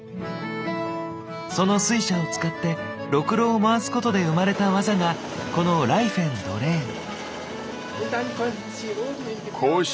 その水車を使ってろくろを回すことで生まれた技がこのライフェンドレーン。